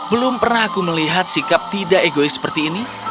belum pernah aku melihat sikap tidak egois seperti ini